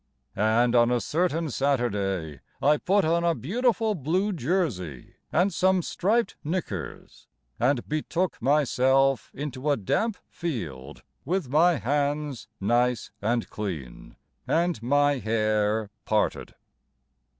And on a certain Saturday I put on a beautiful blue jersey, and some striped knickers, And betook myself into a damp field With my hands nice and clean, And my hair parted.